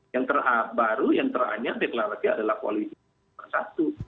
yang terbaru yang terakhir yang terakhir adalah koalisi bersatu